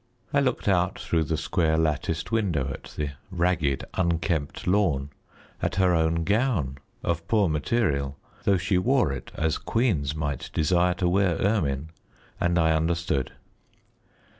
I looked out through the square, latticed window at the ragged, unkempt lawn, at her own gown of poor material, though she wore it as queens might desire to wear ermine and I understood.